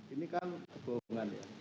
ini kan hubungan ya